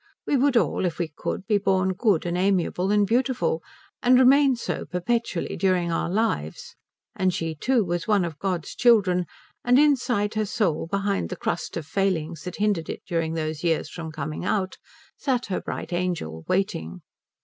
We would all if we could be born good and amiable and beautiful, and remain so perpetually during our lives; and she too was one of God's children, and inside her soul, behind the crust of failings that hindered it during these years from coming out, sat her bright angel, waiting.